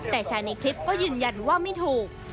แต่ชายในคลิปก็ยืนยันว่าไม่ถูก